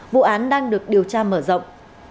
vụ án đang được điều tra mở rộng